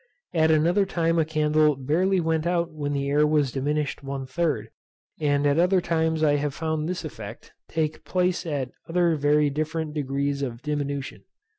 At another time a candle barely went out when the air was diminished one third, and at other times I have found this effect lake place at other very different degrees of diminution.